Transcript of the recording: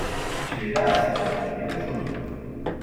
Si tu es là, c’est que tu as trouvé quelque chose